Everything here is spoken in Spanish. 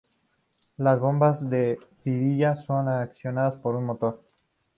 Las bombas de varilla son accionadas por un motor.